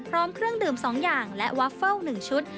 เครื่องดื่ม๒อย่างและวัฟเฟิล๑ชุด